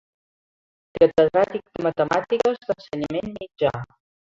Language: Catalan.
Catedràtic de Matemàtiques d'Ensenyament Mitjà.